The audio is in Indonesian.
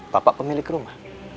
bapak pemilik rumah